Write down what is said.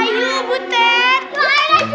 betap betap betap